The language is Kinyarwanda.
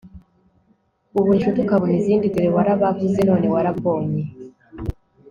ubura inshuti ukabona izindi, dore warababuze none warambonye